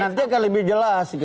ganti presiden lebih jelas